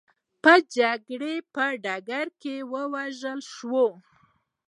په جګړې په ډګر کې ووژل شول.